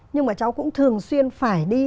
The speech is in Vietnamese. nhưng mà cháu cũng thường xuyên phải đi